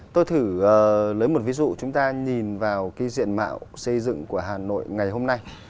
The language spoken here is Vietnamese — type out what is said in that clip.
tôi thử lấy một ví dụ chúng ta nhìn vào cái diện mạo xây dựng của hà nội ngày hôm nay